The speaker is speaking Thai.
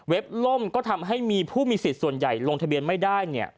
ล่มก็ทำให้มีผู้มีสิทธิ์ส่วนใหญ่ลงทะเบียนไม่ได้